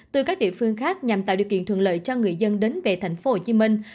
từ các địa phương khác nhằm tạo điều kiện thuận lợi cho người dân đến về thành phố hồ chí minh